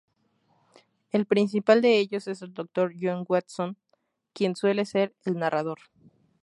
El principal de ellos es el Dr. John Watson, quien suele ser el narrador.